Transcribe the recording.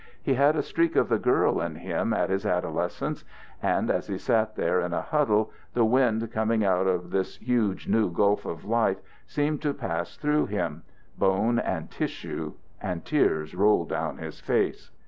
He had a streak of the girl in him at his adolescence, and, as he sat there in a huddle, the wind coming out of this huge new gulf of life seemed to pass through him, bone and tissue, and tears rolled down his face.